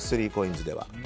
３ＣＯＩＮＳでは。